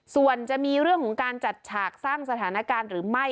ส่วนจะมีเรื่องของการจัดฉากสร้างสถานการณ์หรือไม่